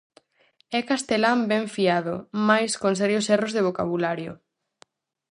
É castelán ben fiado, mais con serios erros de vocabulario.